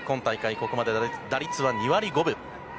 ここまで打率は２割５分。